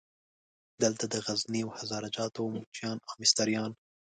دلته د غزني او هزاره جاتو موچیان او مستریان.